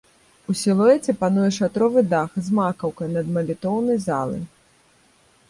У сілуэце пануе шатровы дах з макаўкай над малітоўнай залай.